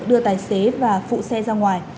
đưa tài xế và phụ xe ra ngoài